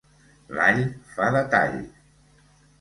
L'all fa de tall.